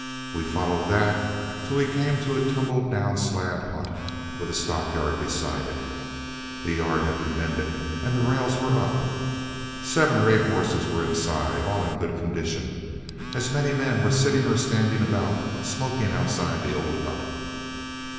We followed that till we came to a tumble down slab hut with a stockyard beside it. The yard had been mended, and the rails were up. Seven or eight horses were inside, all in good condition. As many men were sitting or standing about smoking outside the old hut.